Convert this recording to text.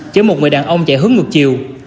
chạy hướng ngược chiều